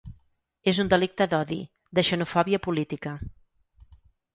És un delicte d’odi, de xenofòbia política.